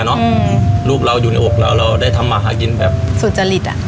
เนอะลูกเราอยู่ในอกเราเราได้ทำมาหากินแบบสุจริตอ่ะ